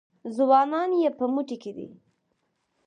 ځوانان یې په موټي کې دي.